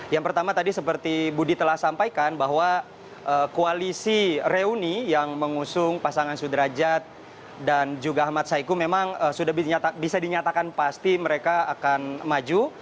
yang pertama tadi seperti budi telah sampaikan bahwa koalisi reuni yang mengusung pasangan sudrajat dan juga ahmad saiku memang sudah bisa dinyatakan pasti mereka akan maju